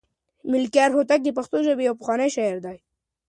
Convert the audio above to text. ملکیار هوتک د پښتو ژبې یو پخوانی شاعر دی.